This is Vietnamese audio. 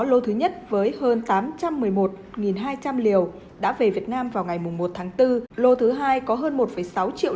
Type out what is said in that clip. lô thứ nhất với hơn tám trăm một mươi một hai trăm linh liều đã về việt nam vào ngày một tháng bốn lô thứ hai có hơn một sáu triệu